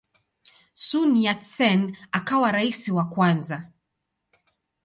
Sun Yat-sen akawa rais wa kwanza.